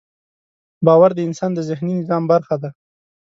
باور د انسان د ذهني نظام برخه ده.